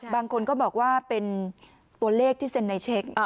บางคนก็บอกว่าเป็นตัวเลขที่เซ็นในเช็ค